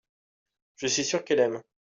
je suis sûr qu'elle aime.